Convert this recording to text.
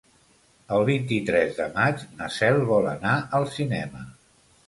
El vint-i-tres de maig na Cel vol anar al cinema.